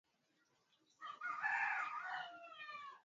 Mamia ya waandamanaji waliingia kwenye mitaa yote ya Khartoum na mji wake